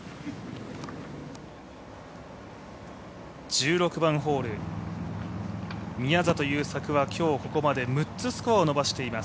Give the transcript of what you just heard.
１６番ホール、宮里優作は今日ここまで６つスコアを伸ばしています。